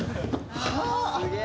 はあ！